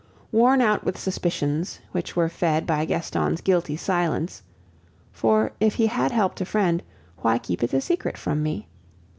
Worn out with suspicions, which were fed by Gaston's guilty silence (for, if he had helped a friend, why keep it a secret from me?)